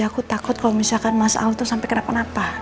aku takut kalau misalkan mas al tuh sampai kena penapa